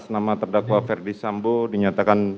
store yang disininya